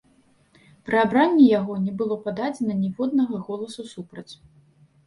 Пры абранні яго не было пададзена ніводнага голасу супраць.